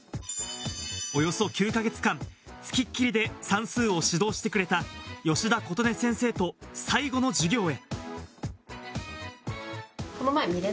およそ９か月間、付きっきりで算数を指導してくれた吉田琴音先生との最後の授業へ。